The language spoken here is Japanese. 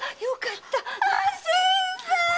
新さん！